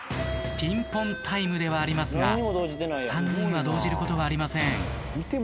ピンポンタイムではありますが３人は動じることがありません。